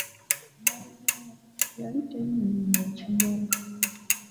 Embalirira yali tennyonyola kimala.